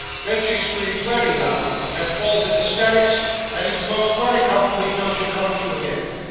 Then she screams wery loud, and falls into 'sterics; and he smokes wery comfortably till she comes to agin.